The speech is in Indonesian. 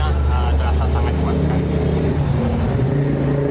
itu bumbunya terasa sangat kuat sekali